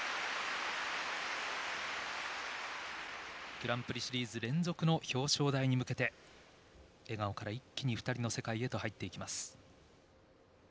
グランプリシリーズ連続の表彰台に向けて笑顔から一気に２人の世界へと入っていきます。